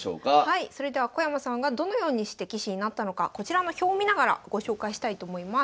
それでは小山さんがどのようにして棋士になったのかこちらの表を見ながらご紹介したいと思います。